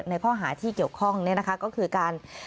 ในข้อหาที่เกี่ยวข้องก็คือการ